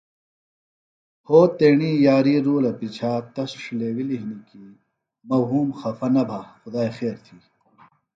پھو تیݨی یاری رُولہ پِچھا تس ݜلیوِلیۡ ہنیۡ کیۡ مہ وُھوم خفہ نہ بھہ خدائیۡ خیر تھی